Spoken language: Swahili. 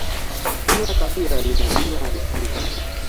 Kila kabila lina mila na desturi zake